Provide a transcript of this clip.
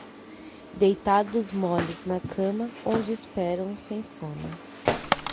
deitados moles na cama onde esperam sem sono;